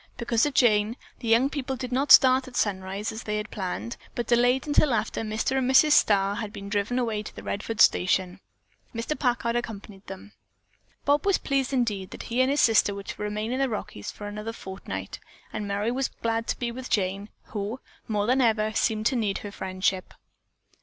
Because of Jane, the young people did not start at sunrise as they had planned, but delayed until after Mr. and Mrs. Starr had been driven away to the Redfords station. Mr. Packard accompanied them. Bob was pleased indeed that he and his sister were to remain in the Rockies for another fortnight, and Merry was glad to be with Jane, who, more than ever, seemed to need her friendship.